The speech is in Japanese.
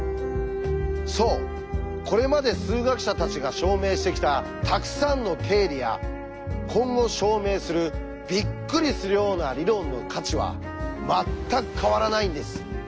そうこれまで数学者たちが証明してきたたくさんの定理や今後証明するびっくりするような理論の価値は全く変わらないんです。